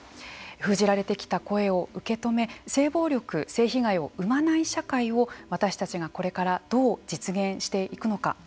封じられてきた声を受け止め生まない社会を私たちが、これからどう実現していくのか。